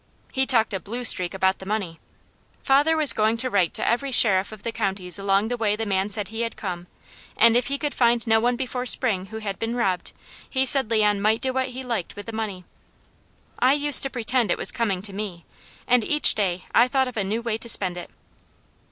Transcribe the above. He talked a blue streak about the money. Father was going to write to every sheriff of the counties along the way the man said he had come, and if he could find no one before spring who had been robbed, he said Leon might do what he liked with the money. I used to pretend it was coming to me, and each day I thought of a new way to spend it.